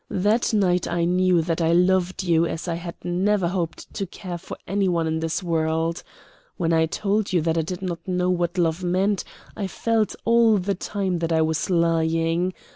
That night I knew that I loved you as I had never hoped to care for any one in this world. When I told you that I did not know what love meant I felt all the time that I was lying.